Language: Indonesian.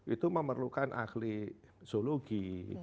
itu memerlukan ahli zoologi